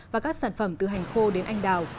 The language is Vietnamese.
và các sản phẩm từ hành khô đến anh đào